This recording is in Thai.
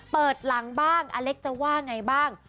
เปิดหลังบ้างอเล็กจะว่าไงบ้าง